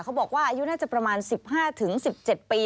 เขาบอกว่าอายุน่าจะประมาณ๑๕๑๗ปี